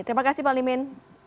terima kasih pak limin